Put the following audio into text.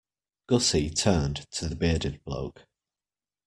Gussie turned to the bearded bloke.